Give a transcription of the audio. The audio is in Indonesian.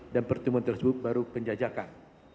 dan pertemuan tersebut baru penjajakan